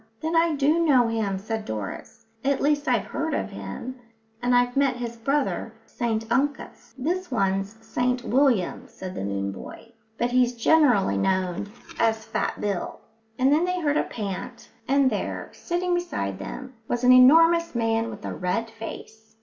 "Then I do know him," said Doris. "At least, I've heard of him, and I've met his brother, St Uncus." "This one's St William," said the moon boy, "but he's generally known as Fat Bill." And then they heard a pant, and there, sitting beside them, was an enormous man with a red face.